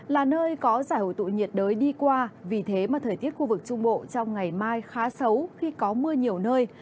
là nơi có giải hội tụ nhiệt đới đi qua vì thế mà thời tiết khu vực trung bộ trong ngày mai khá xấu khi có mưa nhiều nơi